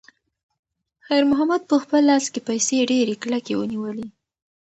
خیر محمد په خپل لاس کې پیسې ډېرې کلکې ونیولې.